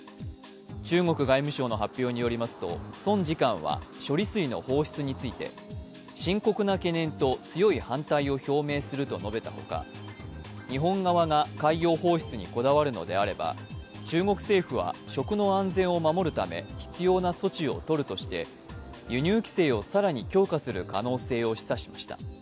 中国外務省の発表によりますと孫次官は処理水の放出について深刻な懸念と強い反対を表明すると述べたほか日本側が海洋放出にこだわるのであれば中国政府は食の安全を守るため必要な措置を取るとして輸入規制を更に強化する可能性を示唆しました